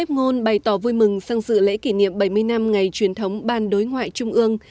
ngôn bày tỏ vui mừng sang dự lễ kỷ niệm bảy mươi năm ngày truyền thống ban đối ngoại trung ương